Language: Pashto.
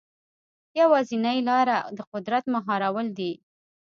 یوازینۍ لاره د قدرت مهارول دي.